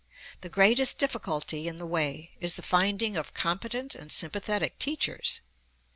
The greatest difficulty in the way is the finding of competent and sympathetic teachers.